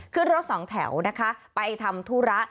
ขึ้นรถ๒แถวไปทำธุระ